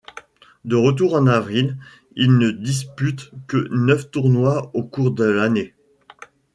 De retour en avril, il ne dispute que neuf tournois au cours de l'année.